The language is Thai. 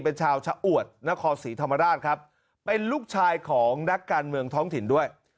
เป็นชาวชะอวดนครศรีธรรมราชครับเป็นลูกชายของนักการเมืองท้องถิ่นด้วย